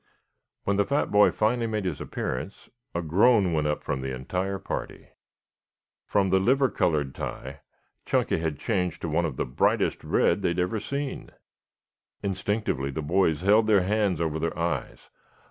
When the fat boy finally made his appearance a groan went up from the entire party. From the liver colored tie Chunky had changed to one of the brightest red they had ever seen. Instinctively the boys held their hands over their eyes.